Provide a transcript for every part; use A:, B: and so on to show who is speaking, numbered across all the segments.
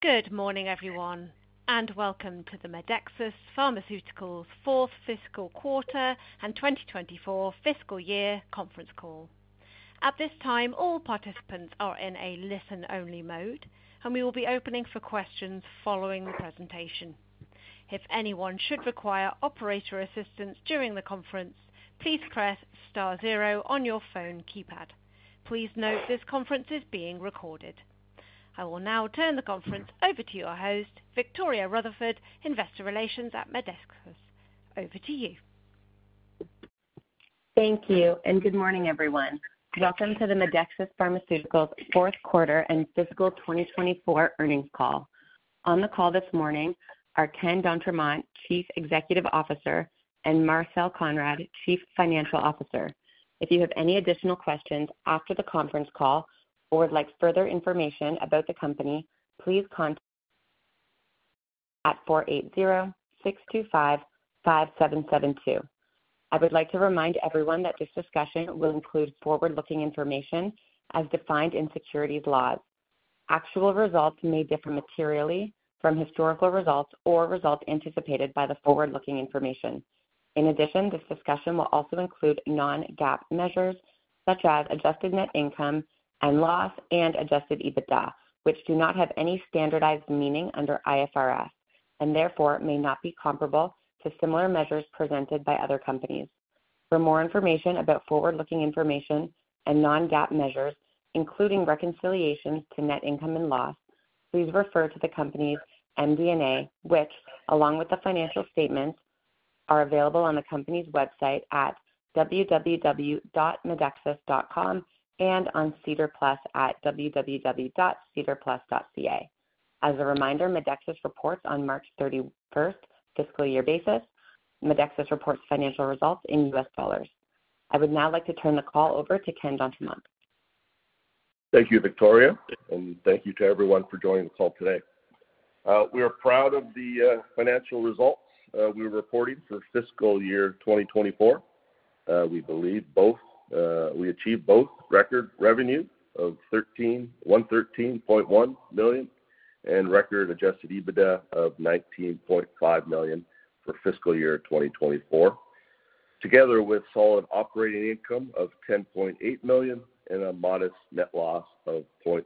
A: Good morning, everyone, and welcome to the Medexus Pharmaceuticals Fourth Fiscal Quarter and 2024 Fiscal Year Conference Call. At this time, all participants are in a listen-only mode, and we will be opening for questions following the presentation. If anyone should require operator assistance during the conference, please press star zero on your phone keypad. Please note this conference is being recorded. I will now turn the conference over to your host, Victoria Rutherford, Investor Relations at Medexus. Over to you.
B: Thank you, and good morning, everyone. Welcome to the Medexus Pharmaceuticals Fourth Quarter and Fiscal 2024 Earnings Call. On the call this morning are Ken d’Entremont, Chief Executive Officer, and Marcel Konrad, Chief Financial Officer. If you have any additional questions after the conference call or would like further information about the company, please contact us at 480-625-5772. I would like to remind everyone that this discussion will include forward-looking information as defined in securities laws. Actual results may differ materially from historical results or results anticipated by the forward-looking information. In addition, this discussion will also include non-GAAP measures such as adjusted net income and loss and adjusted EBITDA, which do not have any standardized meaning under IFRS and therefore may not be comparable to similar measures presented by other companies. For more information about forward-looking information and non-GAAP measures, including reconciliations to net income and loss, please refer to the company's MD&A, which, along with the financial statements, are available on the company's website at www.medexus.com and on SEDAR+ at www.sedarplus.ca. As a reminder, Medexus reports on March 31st fiscal year basis. Medexus reports financial results in U.S. dollars. I would now like to turn the call over to Ken d’Entremont.
C: Thank you, Victoria, and thank you to everyone for joining the call today. We are proud of the financial results we're reporting for fiscal year 2024. We believe we achieved both record revenues of 113.1 million and record adjusted EBITDA of 19.5 million for fiscal year 2024, together with solid operating income of 10.8 million and a modest net loss of 0.02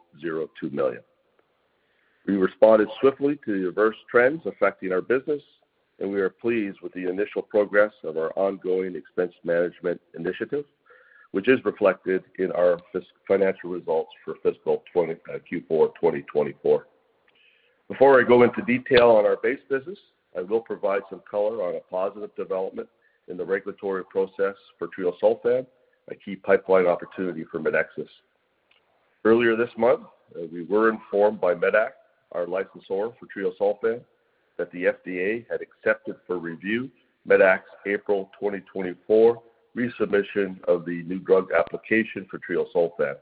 C: million. We responded swiftly to the adverse trends affecting our business, and we are pleased with the initial progress of our ongoing expense management initiative, which is reflected in our financial results for fiscal Q4 2024. Before I go into detail on our base business, I will provide some color on a positive development in the regulatory process for treosulfan, a key pipeline opportunity for Medexus. Earlier this month, we were informed by Medac, our licensor, for treosulfan that the FDA had accepted for review Medac's April 2024 resubmission of the new drug application for treosulfan.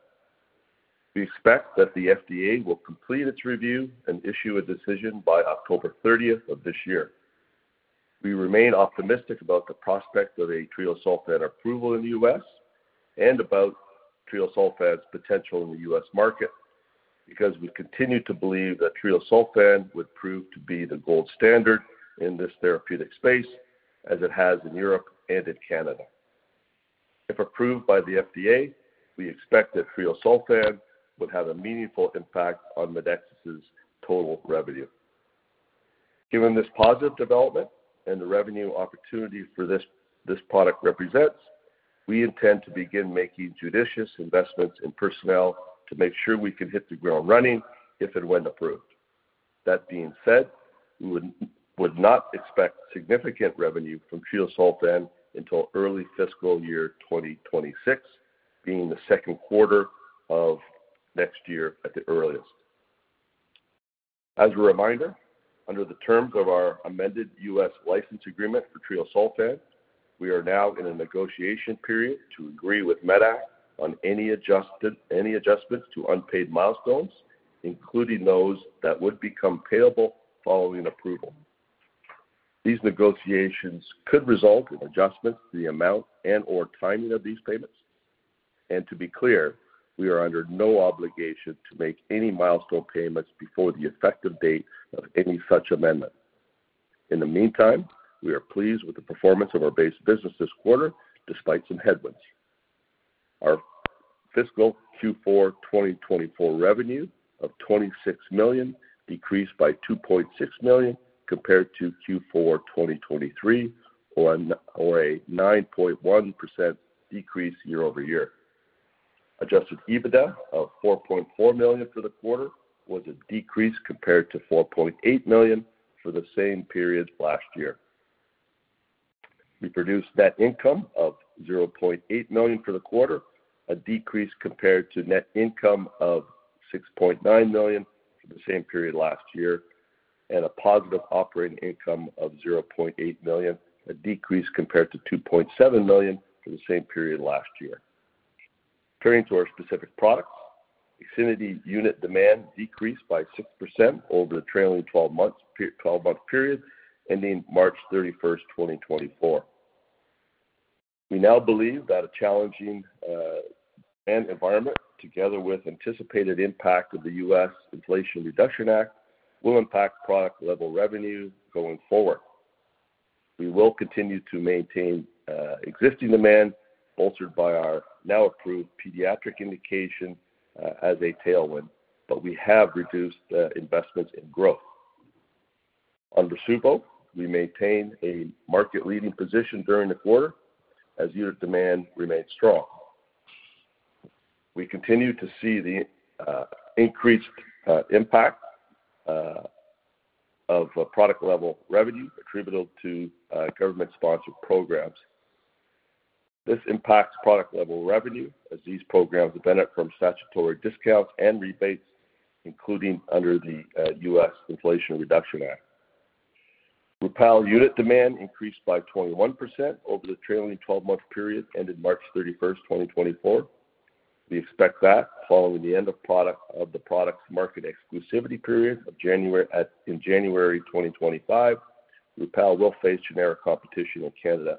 C: We expect that the FDA will complete its review and issue a decision by October 30th of this year. We remain optimistic about the prospect of a treosulfan approval in the U.S. and about treosulfan's potential in the U.S. market because we continue to believe that treosulfan would prove to be the gold standard in this therapeutic space, as it has in Europe and in Canada. If approved by the FDA, we expect that treosulfan would have a meaningful impact on Medexus's total revenue. Given this positive development and the revenue opportunity for this product represents, we intend to begin making judicious investments in personnel to make sure we can hit the ground running if and when approved. That being said, we would not expect significant revenue from treosulfan until early fiscal year 2026, being the second quarter of next year at the earliest. As a reminder, under the terms of our amended U.S. license agreement for treosulfan, we are now in a negotiation period to agree with Medac on any adjustments to unpaid milestones, including those that would become payable following approval. These negotiations could result in adjustments to the amount and/or timing of these payments. To be clear, we are under no obligation to make any milestone payments before the effective date of any such amendment. In the meantime, we are pleased with the performance of our base business this quarter, despite some headwinds. Our fiscal Q4 2024 revenue of 26 million decreased by 2.6 million compared to Q4 2023, or a 9.1% decrease year-over-year. Adjusted EBITDA of 4.4 million for the quarter was a decrease compared to 4.8 million for the same period last year. We produced net income of 0.8 million for the quarter, a decrease compared to net income of 6.9 million for the same period last year, and a positive operating income of 0.8 million, a decrease compared to 2.7 million for the same period last year. Turning to our specific products, IXINITY unit demand decreased by 6% over the trailing 12-month period ending March 31st, 2024. We now believe that a challenging demand environment, together with anticipated impact of the U.S. Inflation Reduction Act, will impact product-level revenue going forward. We will continue to maintain existing demand, bolstered by our now-approved pediatric indication as a tailwind, but we have reduced investments in growth. On Rasuvo, we maintain a market-leading position during the quarter as unit demand remains strong. We continue to see the increased impact of product-level revenue attributable to government-sponsored programs. This impacts product-level revenue as these programs benefit from statutory discounts and rebates, including under the U.S. Inflation Reduction Act. Rupall unit demand increased by 21% over the trailing 12-month period ended March 31st, 2024. We expect that following the end of the product's market exclusivity period in January 2025, Rupall will face generic competition in Canada.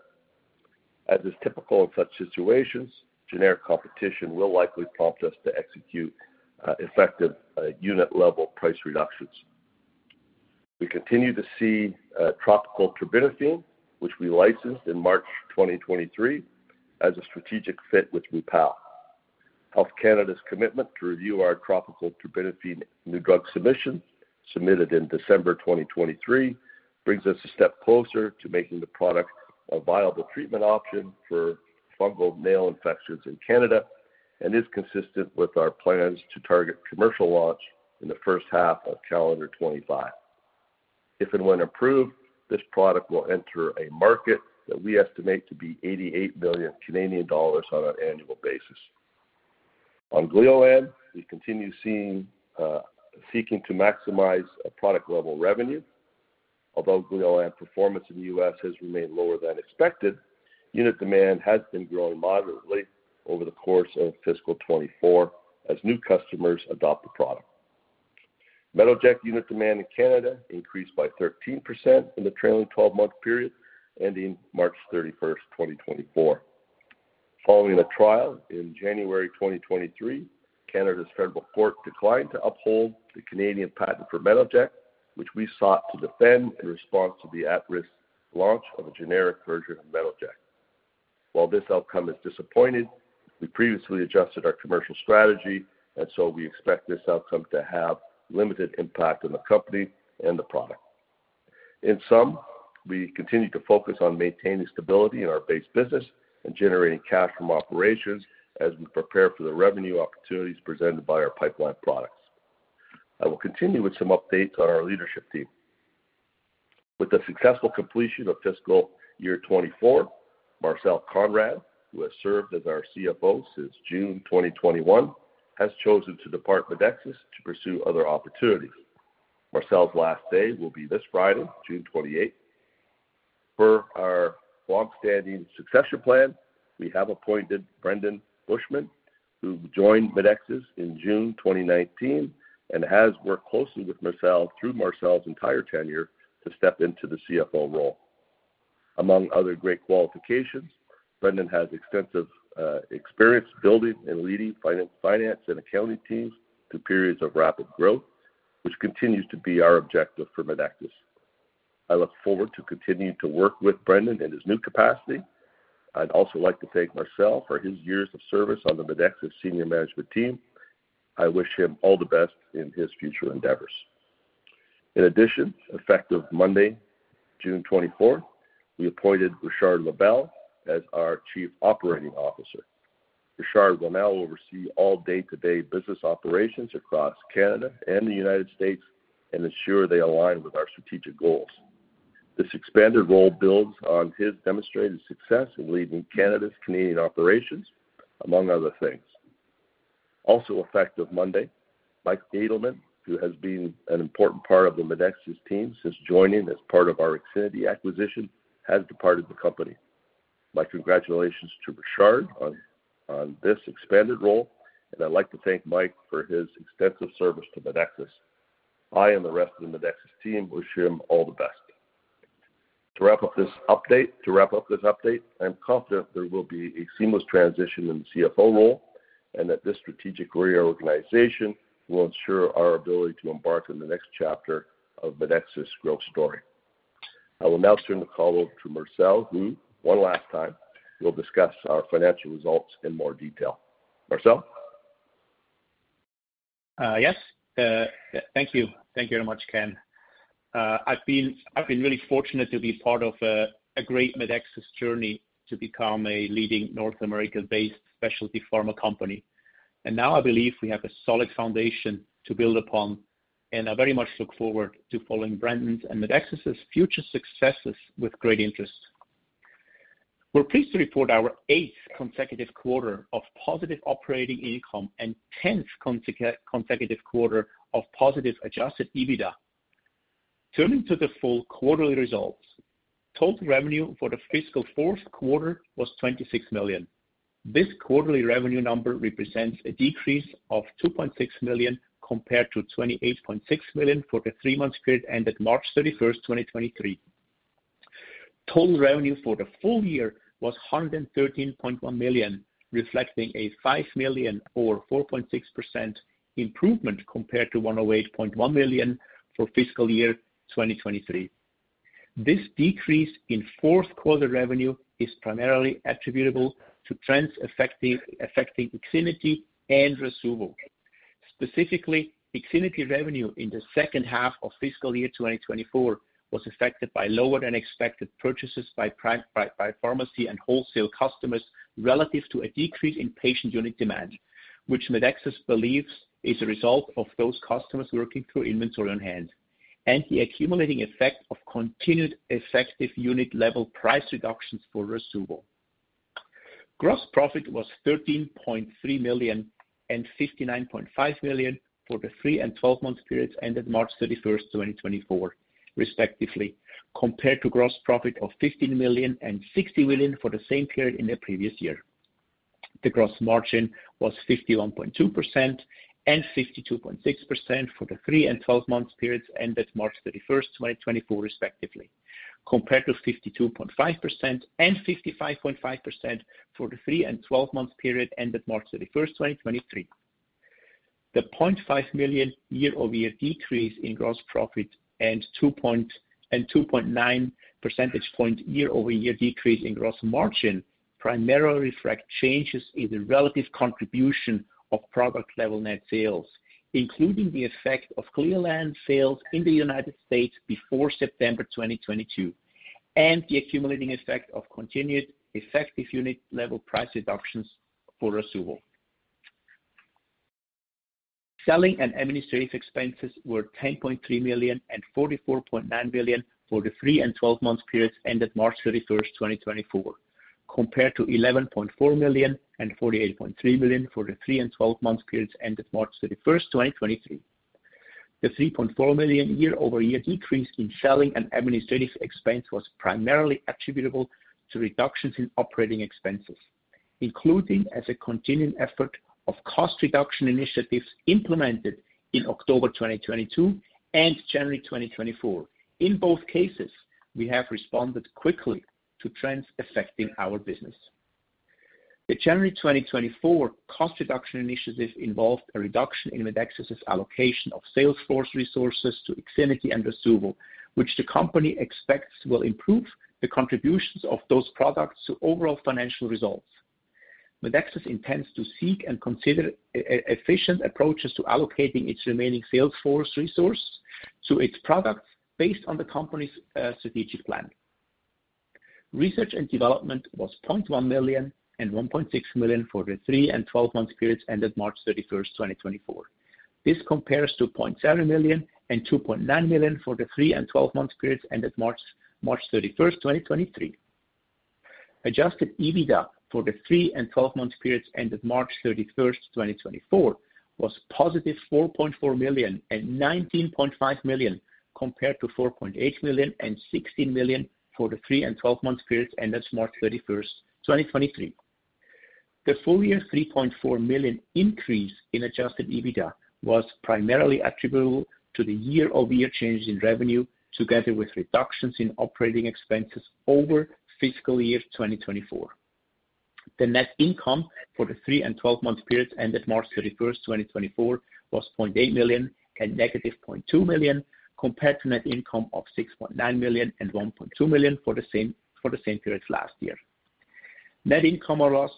C: As is typical in such situations, generic competition will likely prompt us to execute effective unit-level price reductions. We continue to see topical terbinafine, which we licensed in March 2023, as a strategic fit with Rupall. Health Canada's commitment to review our topical terbinafine new drug submission, submitted in December 2023, brings us a step closer to making the product a viable treatment option for fungal nail infections in Canada and is consistent with our plans to target commercial launch in the first half of calendar 2025. If and when approved, this product will enter a market that we estimate to be USD 88 million on an annual basis. On Gleolan, we continue seeking to maximize product-level revenue. Although Gleolan's performance in the U.S. has remained lower than expected, unit demand has been growing moderately over the course of fiscal 2024 as new customers adopt the product. Metoject unit demand in Canada increased by 13% in the trailing 12-month period ending March 31st, 2024. Following a trial in January 2023, Canada's Federal Court declined to uphold the Canadian patent for Metoject, which we sought to defend in response to the at-risk launch of a generic version of Metoject. While this outcome has disappointed, we previously adjusted our commercial strategy, and so we expect this outcome to have limited impact on the company and the product. In sum, we continue to focus on maintaining stability in our base business and generating cash from operations as we prepare for the revenue opportunities presented by our pipeline products. I will continue with some updates on our leadership team. With the successful completion of fiscal year 2024, Marcel Conrad, who has served as our CFO since June 2021, has chosen to depart Medexus to pursue other opportunities. Marcel's last day will be this Friday, June 28th. For our long-standing succession plan, we have appointed Brendon Bushman, who joined Medexus in June 2019 and has worked closely with Marcel through Marcel's entire tenure to step into the CFO role. Among other great qualifications, Brendon has extensive experience building and leading finance and accounting teams through periods of rapid growth, which continues to be our objective for Medexus. I look forward to continuing to work with Brendon in his new capacity. I'd also like to thank Marcel for his years of service on the Medexus senior management team. I wish him all the best in his future endeavors. In addition, effective Monday, June 24th, we appointed Richard Lebel as our Chief Operating Officer. Richard will now oversee all day-to-day business operations across Canada and the United States and ensure they align with our strategic goals. This expanded role builds on his demonstrated success in leading Canada's Canadian operations, among other things. Also effective Monday, Mike Adelman, who has been an important part of the Medexus team since joining as part of our IXINITY acquisition, has departed the company. My congratulations to Richard on this expanded role, and I'd like to thank Mike for his extensive service to Medexus. I and the rest of the Medexus team wish him all the best. To wrap up this update, I'm confident there will be a seamless transition in the CFO role and that this strategic reorganization will ensure our ability to embark on the next chapter of Medexus' growth story. I will now turn the call over to Marcel, who, one last time, will discuss our financial results in more detail. Marcel?
D: Yes. Thank you. Thank you very much, Ken. I've been really fortunate to be part of a great Medexus journey to become a leading North America-based specialty pharma company. And now I believe we have a solid foundation to build upon, and I very much look forward to following Brendon's and Medexus' future successes with great interest. We're pleased to report our eighth consecutive quarter of positive operating income and tenth consecutive quarter of positive adjusted EBITDA. Turning to the full quarterly results, total revenue for the fiscal fourth quarter was 26 million. This quarterly revenue number represents a decrease of 2.6 million compared to 28.6 million for the three-month period ended March 31st, 2023. Total revenue for the full year was 113.1 million, reflecting a 5 million, or 4.6%, improvement compared to 108.1 million for fiscal year 2023. This decrease in fourth quarter revenue is primarily attributable to trends affecting IXINITY and Rasuvo. Specifically, IXINITY revenue in the second half of fiscal year 2024 was affected by lower-than-expected purchases by pharmacy and wholesale customers relative to a decrease in patient unit demand, which Medexus believes is a result of those customers working through inventory on hand and the accumulating effect of continued effective unit-level price reductions for Rasuvo. Gross profit was 13.3 million and 59.5 million for the three and 12-month periods ended March 31st, 2024, respectively, compared to gross profit of 15 million and 60 million for the same period in the previous year. The gross margin was 51.2% and 52.6% for the three and 12-month periods ended March 31st, 2024, respectively, compared to 52.5% and 55.5% for the three and 12-month period ended March 31st, 2023. The $0.5 million year-over-year decrease in gross profit and 2.9 percentage point year-over-year decrease in gross margin primarily reflect changes in the relative contribution of product-level net sales, including the effect of Gleolan sales in the United States before September 2022 and the accumulating effect of continued effective unit-level price reductions for Rasuvo. Selling and administrative expenses were $10.3 million and $44.9 million for the three and 12-month periods ended March 31st, 2024, compared to $11.4 million and $48.3 million for the three and 12-month periods ended March 31st, 2023. The $3.4 million year-over-year decrease in selling and administrative expense was primarily attributable to reductions in operating expenses, including as a continuing effort of cost reduction initiatives implemented in October 2022 and January 2024. In both cases, we have responded quickly to trends affecting our business. The January 2024 cost reduction initiative involved a reduction in Medexus' allocation of sales force resources to IXINITY and Rasuvo, which the company expects will improve the contributions of those products to overall financial results. Medexus intends to seek and consider efficient approaches to allocating its remaining sales force resources to its products based on the company's strategic plan. Research and development was 0.1 million and 1.6 million for the three and 12-month periods ended March 31st, 2024. This compares to 0.7 million and 2.9 million for the three and 12-month periods ended March 31st, 2023. Adjusted EBITDA for the three and 12-month periods ended March 31st, 2024 was positive 4.4 million and 19.5 million compared to 4.8 million and 16 million for the three and 12-month periods ended March 31st, 2023. The full-year 3.4 million increase in adjusted EBITDA was primarily attributable to the year-over-year changes in revenue together with reductions in operating expenses over fiscal year 2024. The net income for the 3- and 12-month periods ended March 31st, 2024 was 0.8 million and negative 0.2 million compared to net income of 6.9 million and 1.2 million for the same period last year. Net income or loss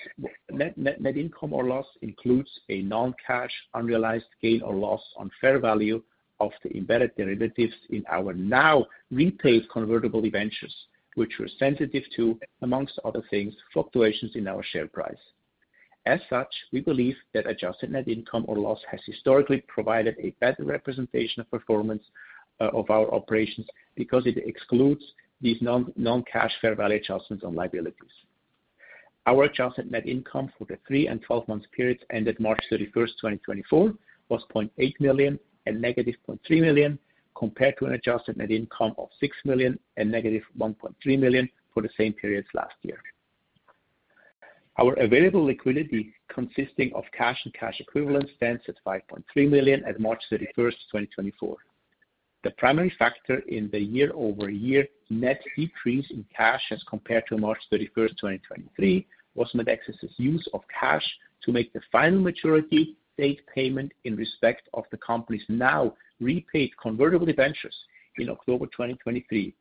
D: includes a non-cash unrealized gain or loss on fair value of the embedded derivatives in our now retired convertible debentures, which were sensitive to, among other things, fluctuations in our share price. As such, we believe that adjusted net income or loss has historically provided a better representation of performance of our operations because it excludes these non-cash fair value adjustments on liabilities. Our adjusted net income for the 3- and 12-month periods ended March 31st, 2024 was 0.8 million and negative 0.3 million compared to an adjusted net income of 6 million and negative 1.3 million for the same period last year. Our available liquidity, consisting of cash and cash equivalents, stands at 5.3 million at March 31st, 2024. The primary factor in the year-over-year net decrease in cash as compared to March 31st, 2023, was Medexus' use of cash to make the final maturity date payment in respect of the company's now repaid convertible debentures in October 2023,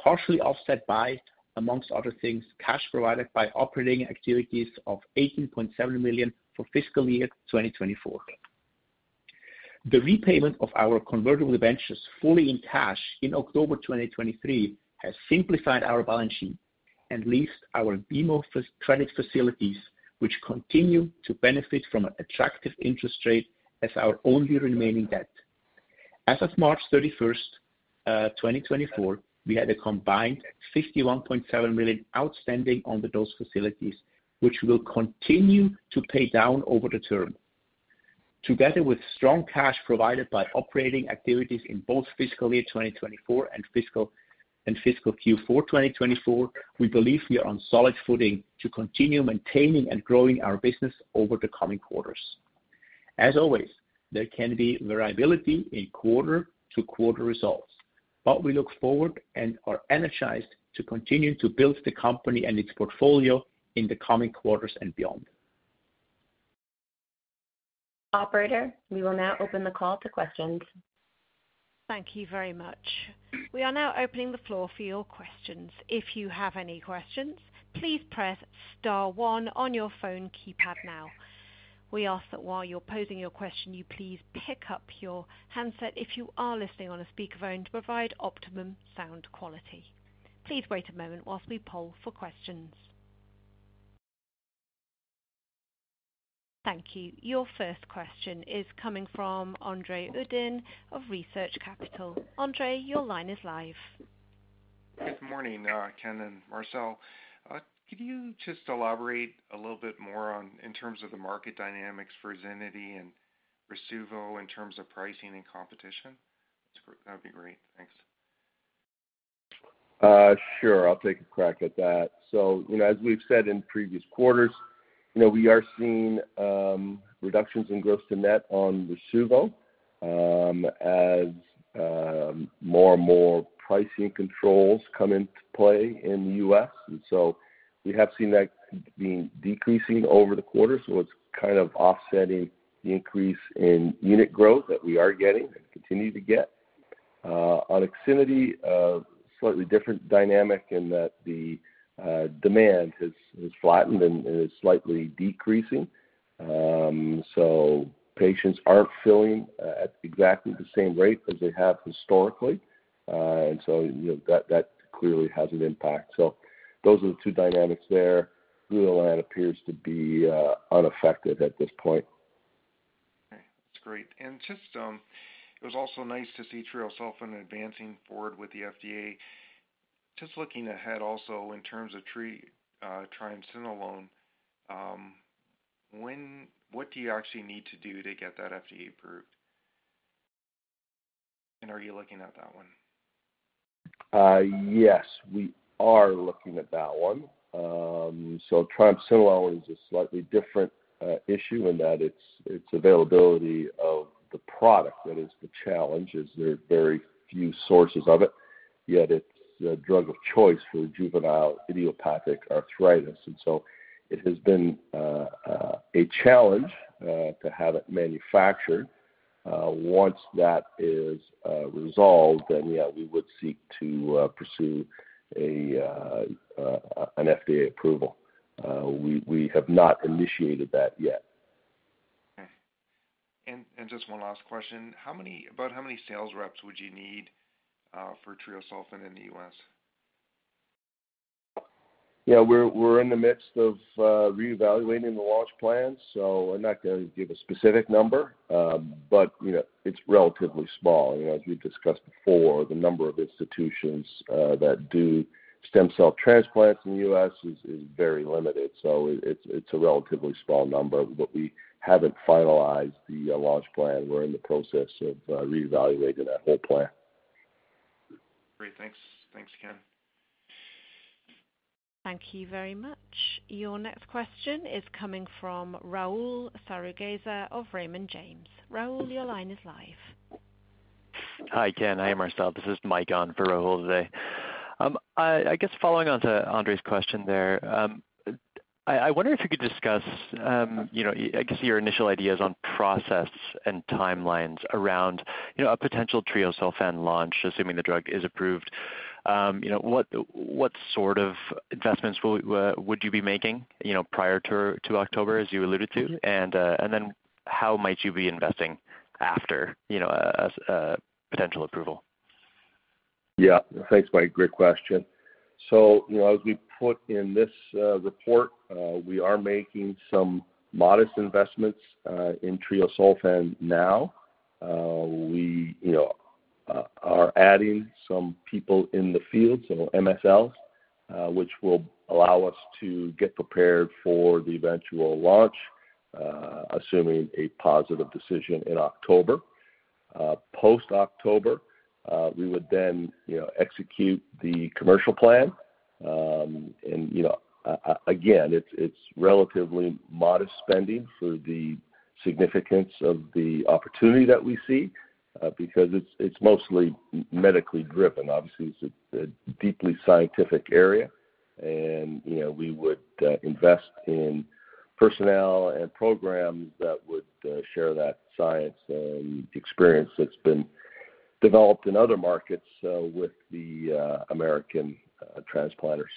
D: partially offset by, among other things, cash provided by operating activities of 18.7 million for fiscal year 2024. The repayment of our convertible debentures fully in cash in October 2023 has simplified our balance sheet and eased our BMO credit facilities, which continue to benefit from an attractive interest rate as our only remaining debt. As of March 31st, 2024, we had a combined 51.7 million outstanding on those facilities, which we will continue to pay down over the term. Together with strong cash provided by operating activities in both fiscal year 2024 and fiscal Q4 2024, we believe we are on solid footing to continue maintaining and growing our business over the coming quarters. As always, there can be variability in quarter-to-quarter results, but we look forward and are energized to continue to build the company and its portfolio in the coming quarters and beyond.
B: Operator, we will now open the call to questions.
A: Thank you very much. We are now opening the floor for your questions. If you have any questions, please press star one on your phone keypad now. We ask that while you're posing your question, you please pick up your handset if you are listening on a speakerphone to provide optimum sound quality. Please wait a moment whilst we poll for questions. Thank you. Your first question is coming from Andre Uddin of Research Capital. Andre, your line is live.
E: Good morning, Ken and Marcel. Could you just elaborate a little bit more in terms of the market dynamics for IXINITY and Rasuvo in terms of pricing and competition? That would be great. Thanks.
C: Sure. I'll take a crack at that. So, as we've said in previous quarters, we are seeing reductions in gross-to-net on Rasuvo as more and more pricing controls come into play in the U.S. And so we have seen that being decreasing over the quarters. So it's kind of offsetting the increase in unit growth that we are getting and continue to get. On IXINITY, a slightly different dynamic in that the demand has flattened and is slightly decreasing. So patients aren't filling at exactly the same rate as they have historically. And so that clearly has an impact. So those are the two dynamics there. Gleolan appears to be unaffected at this point.
E: That's great. And just it was also nice to see treosulfan advancing forward with the FDA. Just looking ahead also in terms of triamcinolone, what do you actually need to do to get that FDA approved? And are you looking at that one?
C: Yes, we are looking at that one. Triamcinolone is a slightly different issue in that its availability of the product that is the challenge is there are very few sources of it, yet it's a drug of choice for juvenile idiopathic arthritis. It has been a challenge to have it manufactured. Once that is resolved, then yeah, we would seek to pursue an FDA approval. We have not initiated that yet.
E: Just one last question. About how many sales reps would you need for treosulfan in the U.S.?
C: Yeah, we're in the midst of reevaluating the launch plan, so I'm not going to give a specific number, but it's relatively small. As we've discussed before, the number of institutions that do stem cell transplants in the U.S. is very limited. So it's a relatively small number, but we haven't finalized the launch plan. We're in the process of reevaluating that whole plan.
E: Great. Thanks, Ken.
A: Thank you very much. Your next question is coming from Rahul Sarugaser of Raymond James. Rahul, your line is live.
F: Hi, Ken. Hi, Marcel. This is Mike on for Rahul today. I guess following on to Andre's question there, I wonder if you could discuss, I guess, your initial ideas on process and timelines around a potential treosulfan launch, assuming the drug is approved. What sort of investments would you be making prior to October, as you alluded to? And then how might you be investing after a potential approval?
C: Yeah. Thanks, Mike. Great question. So as we put in this report, we are making some modest investments in treosulfan now. We are adding some people in the field, so MSLs, which will allow us to get prepared for the eventual launch, assuming a positive decision in October. Post-October, we would then execute the commercial plan. And again, it's relatively modest spending for the significance of the opportunity that we see because it's mostly medically driven. Obviously, it's a deeply scientific area. And we would invest in personnel and programs that would share that science and experience that's been developed in other markets with the American transplanters.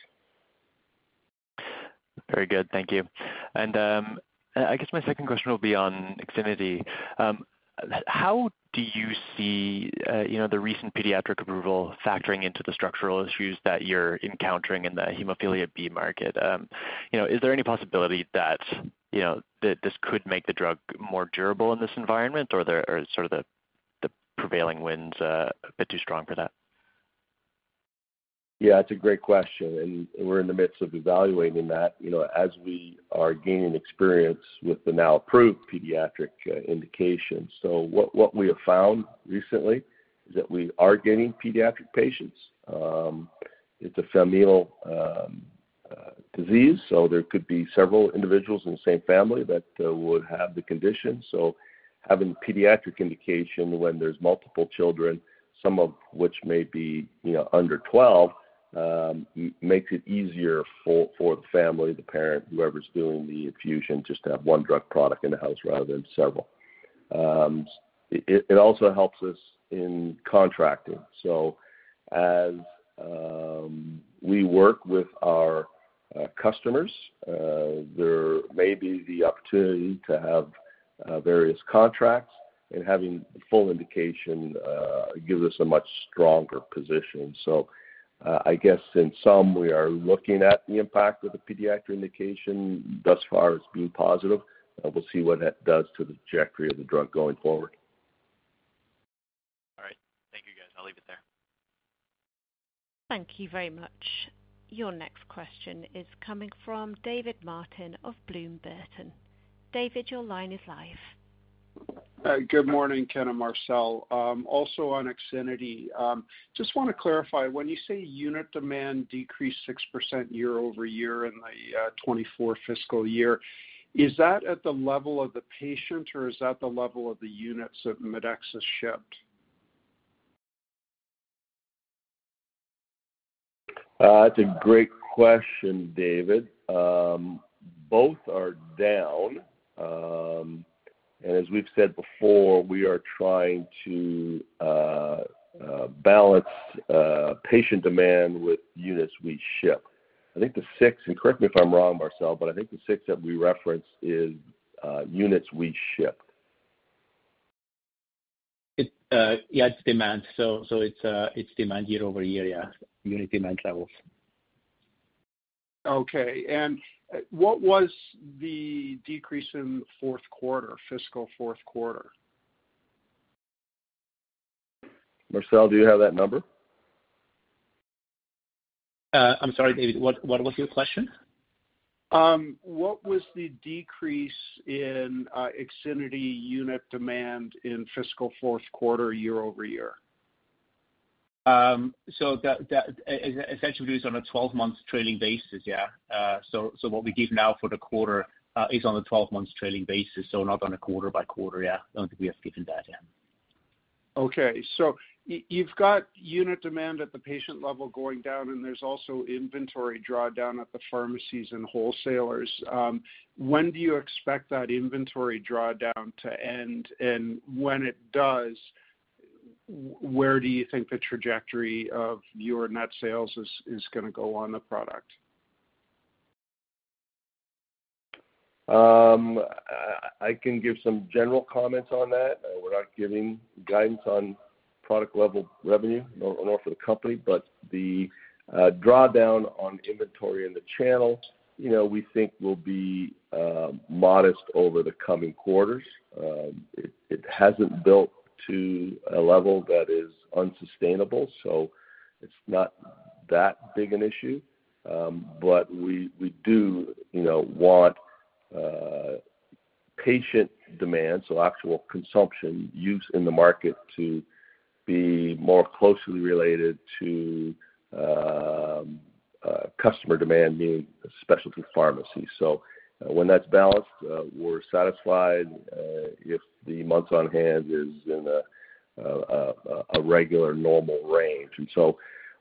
F: Very good. Thank you. And I guess my second question will be on IXINITY. How do you see the recent pediatric approval factoring into the structural issues that you're encountering in the hemophilia B market? Is there any possibility that this could make the drug more durable in this environment, or are sort of the prevailing winds a bit too strong for that?
C: Yeah, it's a great question. And we're in the midst of evaluating that as we are gaining experience with the now approved pediatric indications. So what we have found recently is that we are getting pediatric patients. It's a familial disease, so there could be several individuals in the same family that would have the condition. So having pediatric indication when there's multiple children, some of which may be under 12, makes it easier for the family, the parent, whoever's doing the infusion, just to have one drug product in the house rather than several. It also helps us in contracting. So as we work with our customers, there may be the opportunity to have various contracts, and having full indication gives us a much stronger position. So I guess in sum, we are looking at the impact of the pediatric indication. Thus far, it's been positive. We'll see what that does to the trajectory of the drug going forward.
E: All right. Thank you, guys. I'll leave it there.
A: Thank you very much. Your next question is coming from David Martin of Bloom Burton. David, your line is live.
G: Good morning, Ken and Marcel. Also on IXINITY, just want to clarify. When you say unit demand decreased 6% year-over-year in the 2024 fiscal year, is that at the level of the patient, or is that the level of the units that Medexus shipped?
C: That's a great question, David. Both are down. And as we've said before, we are trying to balance patient demand with units we ship. I think the 6, and correct me if I'm wrong, Marcel, but I think the 6 that we referenced is units we shipped.
D: Yeah, it's demand. So it's demand year-over-year, yeah. Unit demand levels.
G: Okay. And what was the decrease in fiscal fourth quarter?
C: Marcel, do you have that number?
D: I'm sorry, David. What was your question?
G: What was the decrease in IXINITY unit demand in fiscal fourth quarter year-over-year?
D: That is essentially based on a 12-month trailing basis, yeah. What we give now for the quarter is on a 12-month trailing basis, so not on a quarter-by-quarter, yeah. I don't think we have given that in.
G: Okay. So you've got unit demand at the patient level going down, and there's also inventory drawdown at the pharmacies and wholesalers. When do you expect that inventory drawdown to end? And when it does, where do you think the trajectory of your net sales is going to go on the product?
C: I can give some general comments on that. We're not giving guidance on product-level revenue, nor for the company. The drawdown on inventory in the channel, we think will be modest over the coming quarters. It hasn't built to a level that is unsustainable, so it's not that big an issue. We do want patient demand, so actual consumption use in the market, to be more closely related to customer demand, meaning specialty pharmacies. When that's balanced, we're satisfied if the month on hand is in a regular normal range.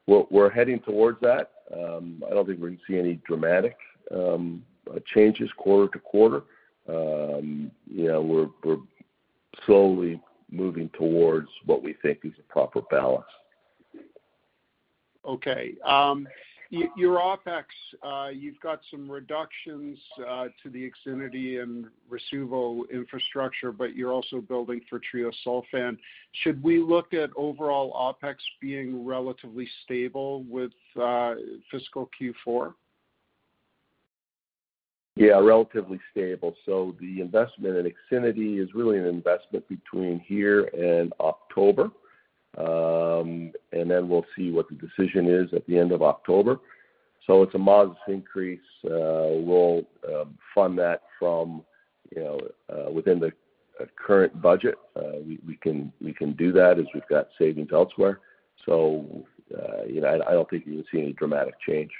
C: We're heading towards that. I don't think we're going to see any dramatic changes quarter to quarter. We're slowly moving towards what we think is a proper balance.
G: Okay. Your OpEx, you've got some reductions to the IXINITY and Rasuvo infrastructure, but you're also building for treosulfan. Should we look at overall OpEx being relatively stable with fiscal Q4?
C: Yeah, relatively stable. So the investment in IXINITY is really an investment between here and October. And then we'll see what the decision is at the end of October. So it's a modest increase. We'll fund that from within the current budget. We can do that as we've got savings elsewhere. So I don't think you're going to see any dramatic change.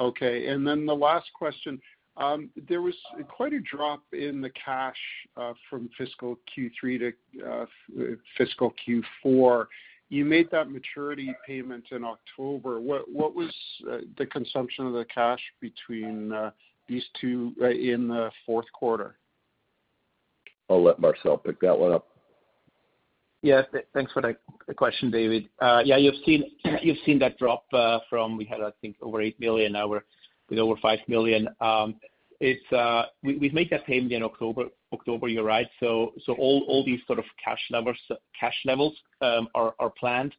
G: Okay. And then the last question. There was quite a drop in the cash from fiscal Q3 to fiscal Q4. You made that maturity payment in October. What was the consumption of the cash between these two in the fourth quarter?
C: I'll let Marcel pick that one up.
D: Yeah. Thanks for the question, David. Yeah, you've seen that drop from we had, I think, over $8 million. Now we're with over $5 million. We've made that payment in October, you're right. So all these sort of cash levels are planned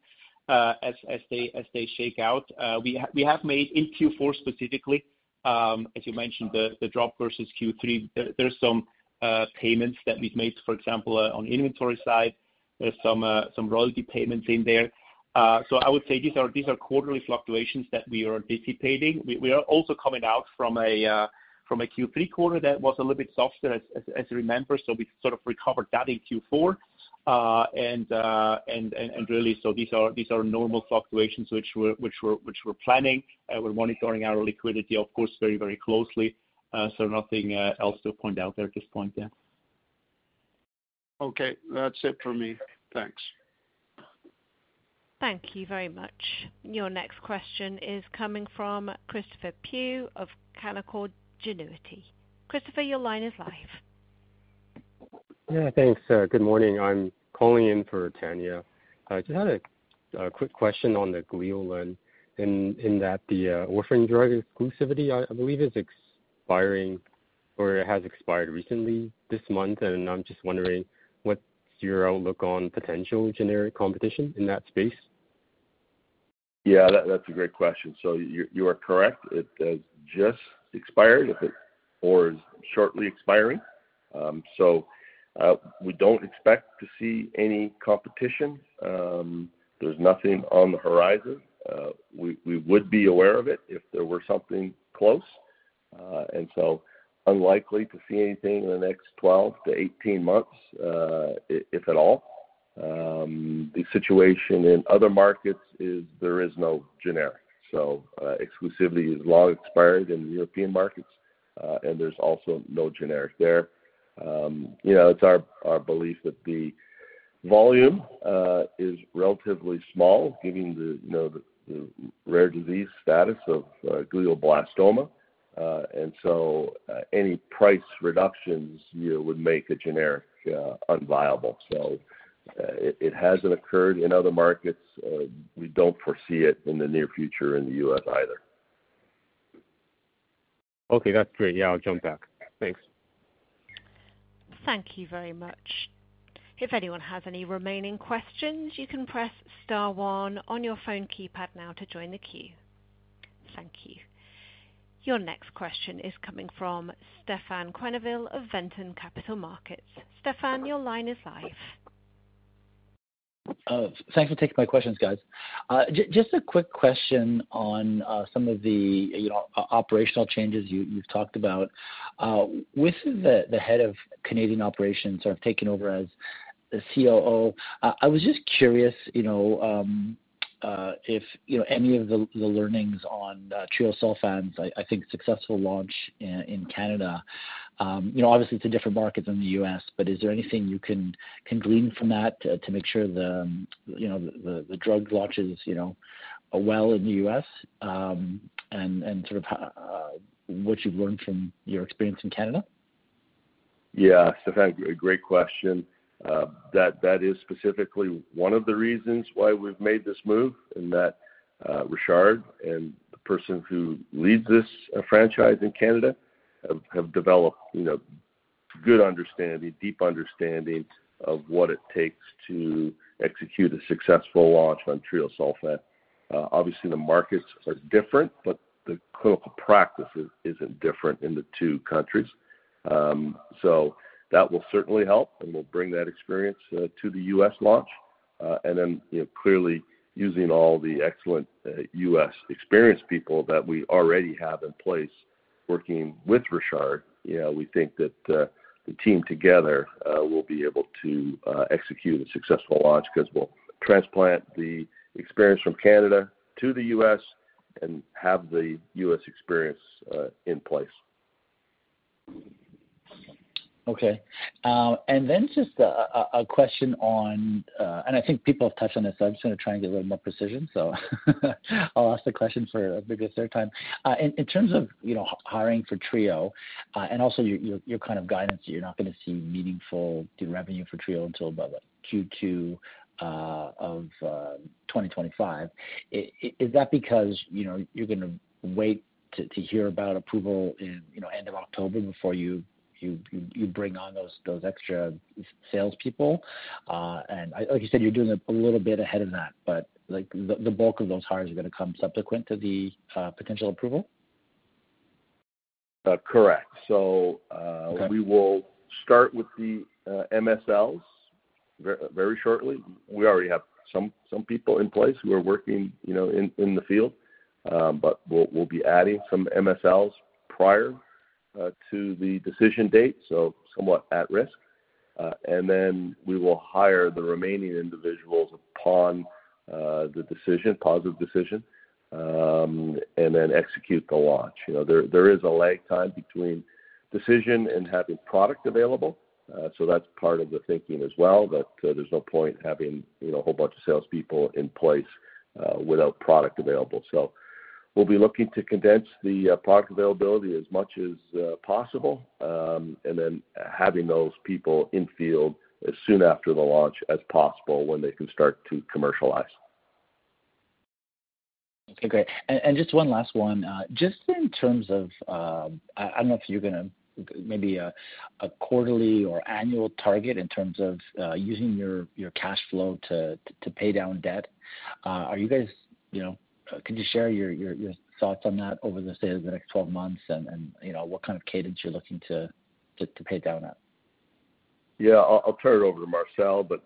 D: as they shake out. We have made in Q4 specifically, as you mentioned, the drop versus Q3. There's some payments that we've made, for example, on the inventory side. There's some royalty payments in there. So I would say these are quarterly fluctuations that we are dissipating. We are also coming out from a Q3 quarter that was a little bit softer, as you remember. So we sort of recovered that in Q4. And really, so these are normal fluctuations which we're planning. We're monitoring our liquidity, of course, very, very closely. So nothing else to point out there at this point, yeah.
G: Okay. That's it for me. Thanks.
A: Thank you very much. Your next question is coming from Christopher Pugh of Canaccord Genuity. Christopher, your line is live.
H: Yeah, thanks. Good morning. I'm calling in for Tania. I just had a quick question on the Gleolan, in that the orphan drug exclusivity, I believe, is expiring or it has expired recently this month. I'm just wondering, what's your outlook on potential generic competition in that space?
C: Yeah, that's a great question. So you are correct. It has just expired or is shortly expiring. So we don't expect to see any competition. There's nothing on the horizon. We would be aware of it if there were something close. And so unlikely to see anything in the next 12-18 months, if at all. The situation in other markets is there is no generic. So exclusivity is long expired in the European markets, and there's also no generic there. It's our belief that the volume is relatively small, given the rare disease status of glioblastoma. And so any price reductions would make a generic unviable. So it hasn't occurred in other markets. We don't foresee it in the near future in the U.S. either.
H: Okay. That's great. Yeah, I'll jump back. Thanks.
A: Thank you very much. If anyone has any remaining questions, you can press star one on your phone keypad now to join the queue. Thank you. Your next question is coming from Stefan Quenneville of Ventum Capital Markets. Stefan, your line is live.
I: Thanks for taking my questions, guys. Just a quick question on some of the operational changes you've talked about. With the head of Canadian operations sort of taking over as the COO, I was just curious if any of the learnings on treosulfan's, I think, successful launch in Canada, obviously, it's a different market than the U.S., but is there anything you can glean from that to make sure the drug launches well in the U.S.? And sort of what you've learned from your experience in Canada?
C: Yeah. Stefan, great question. That is specifically one of the reasons why we've made this move, in that Richard and the person who leads this franchise in Canada have developed good understanding, deep understanding of what it takes to execute a successful launch on treosulfan. Obviously, the markets are different, but the clinical practice isn't different in the two countries. So that will certainly help, and we'll bring that experience to the US launch. And then, clearly, using all the excellent US experience people that we already have in place working with Richard, we think that the team together will be able to execute a successful launch because we'll transplant the experience from Canada to the US and have the US experience in place.
I: Okay. And then just a question on and I think people have touched on this, so I'm just going to try and get a little more precision. So I'll ask the question for maybe a third time. In terms of hiring for Treo and also your kind of guidance that you're not going to see meaningful revenue for Treo until about Q2 of 2025, is that because you're going to wait to hear about approval in end of October before you bring on those extra salespeople? And like you said, you're doing it a little bit ahead of that, but the bulk of those hires are going to come subsequent to the potential approval?
C: Correct. So we will start with the MSLs very shortly. We already have some people in place who are working in the field, but we'll be adding some MSLs prior to the decision date, so somewhat at risk. And then we will hire the remaining individuals upon the decision, positive decision, and then execute the launch. There is a lag time between decision and having product available. So that's part of the thinking as well, that there's no point having a whole bunch of salespeople in place without product available. So we'll be looking to condense the product availability as much as possible and then having those people in field as soon after the launch as possible when they can start to commercialize.
I: Okay. Great. And just one last one. Just in terms of, I don't know if you're going to maybe a quarterly or annual target in terms of using your cash flow to pay down debt. Are you guys, can you share your thoughts on that over, say, the next 12 months and what kind of USDence you're looking to pay down at?
C: Yeah. I'll turn it over to Marcel. But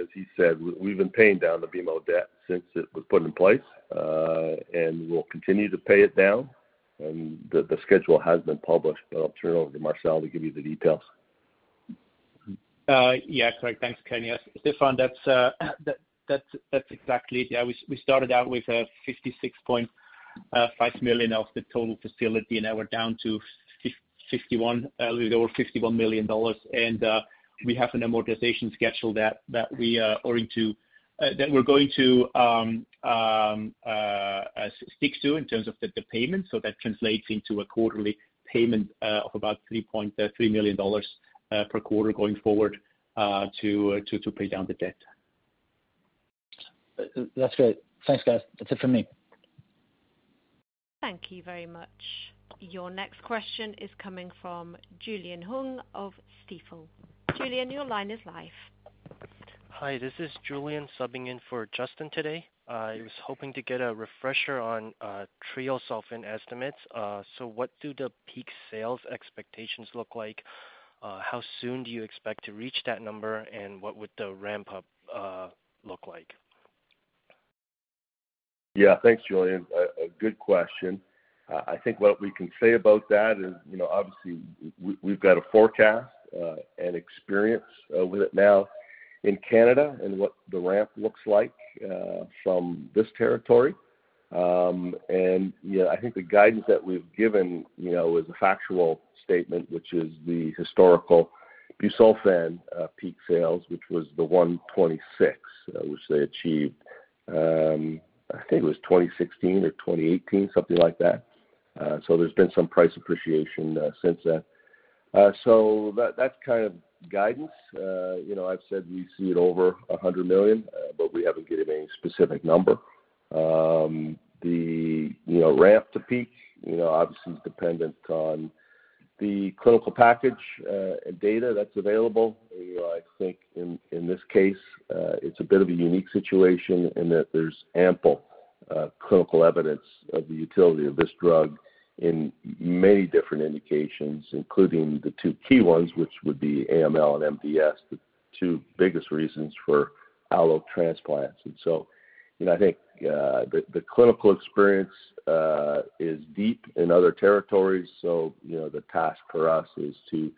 C: as he said, we've been paying down the BMO debt since it was put in place, and we'll continue to pay it down. And the schedule has been published, but I'll turn it over to Marcel to give you the details.
D: Yeah. Correct. Thanks, Ken. Yes. Stefan, that's exactly it. Yeah. We started out with 56.5 million of the total facility, and now we're down to over $51 million. We have an amortization schedule that we're going to stick to in terms of the payment. That translates into a quarterly payment of about $3.3 million per quarter going forward to pay down the debt.
I: That's great. Thanks, guys. That's it for me.
A: Thank you very much. Your next question is coming from Julian Hung of Stifel. Julian, your line is live.
J: Hi. This is Julian subbing in for Justin today. I was hoping to get a refresher on treosulfan estimates. What do the peak sales expectations look like? How soon do you expect to reach that number, and what would the ramp-up look like?
C: Yeah. Thanks, Julian. A good question. I think what we can say about that is, obviously, we've got a forecast and experience with it now in Canada and what the ramp looks like from this territory. And I think the guidance that we've given is a factual statement, which is the historical busulfan peak sales, which was 126 million, which they achieved. I think it was 2016 or 2018, something like that. So there's been some price appreciation since then. So that's kind of guidance. I've said we see it over 100 million, but we haven't given any specific number. The ramp to peak, obviously, is dependent on the clinical package and data that's available. I think in this case, it's a bit of a unique situation in that there's ample clinical evidence of the utility of this drug in many different indications, including the two key ones, which would be AML and MDS, the two biggest reasons for allotransplants. And so I think the clinical experience is deep in other territories. So the task for us is to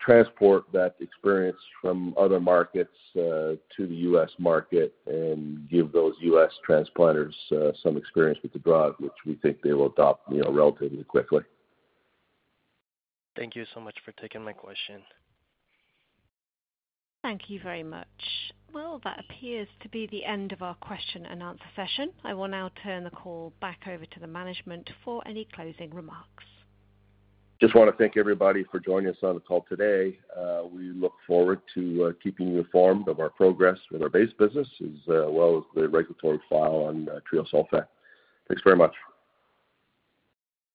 C: transport that experience from other markets to the U.S. market and give those U.S. transplanters some experience with the drug, which we think they will adopt relatively quickly.
J: Thank you so much for taking my question.
A: Thank you very much. Well, that appears to be the end of our question and answer session. I will now turn the call back over to the management for any closing remarks.
C: Just want to thank everybody for joining us on the call today. We look forward to keeping you informed of our progress with our base business as well as the regulatory file on treosulfan. Thanks very much.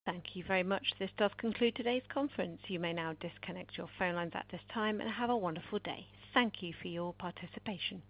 A: Thank you very much. This does conclude today's conference. You may now disconnect your phone lines at this time and have a wonderful day. Thank you for your participation.